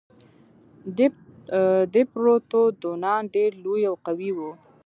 ديپروتودونان ډېر لوی او قوي وو.